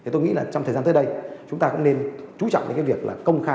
tôi nghĩ trong thời gian tới đây chúng ta cũng nên trú trọng việc công khai